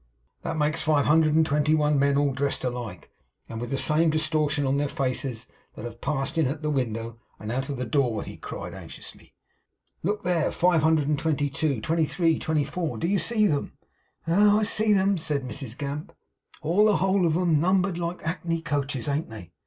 'That makes five hundred and twenty one men, all dressed alike, and with the same distortion on their faces, that have passed in at the window, and out at the door,' he cried, anxiously. 'Look there! Five hundred and twenty two twenty three twenty four. Do you see them?' 'Ah! I see 'em,' said Mrs Gamp; 'all the whole kit of 'em numbered like hackney coaches, an't they?